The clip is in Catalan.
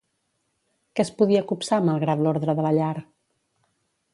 Què es podia copsar, malgrat l'ordre de la llar?